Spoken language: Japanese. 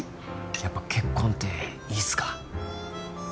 やっぱ結婚っていいっすか？